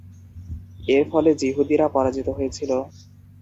এর ফলে যিহুদিরা পরাজিত হয়েছিল।